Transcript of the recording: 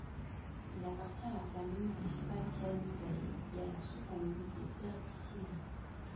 Il appartient à la famille des Phasianidae et à la sous-famille des Perdicinae.